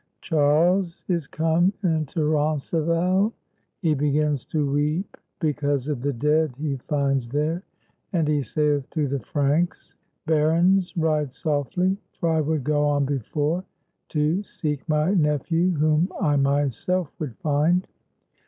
] Charles is come into Roncevals. He begins to weep because of the dead he finds there, and he saith to the Franks: "Barons, ride softly, for I would go on before, to seek my nephew, whom I myself would find.